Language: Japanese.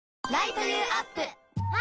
あ！